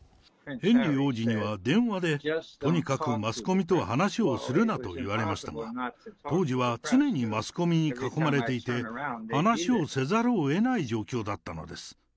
ヘンリー王子には電話で、とにかくマスコミとは話をするなと言われましたが、当時は常にマスコミに囲まれていて、話をせざるをえない状況だったのです。